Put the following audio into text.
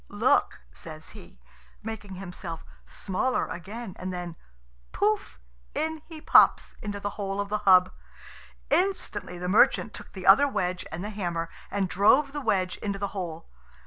"Look," says he, making himself smaller again; and then, pouf! in he pops into the hole of the hub. Instantly the merchant took the other wedge and the hammer, and drove the wedge into the hole.